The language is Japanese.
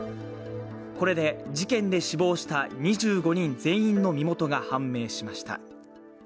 これで事件で死亡した２５人全員の身元が判明しました。